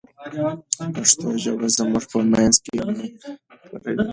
پښتو ژبه زموږ په منځ کې مینه خپروي.